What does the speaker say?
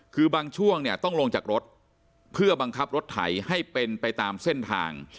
คือบางช่วงเนี่ยต้องลงจากรถเพื่อบังคับรถไถให้เป็นไปตามเส้นทาง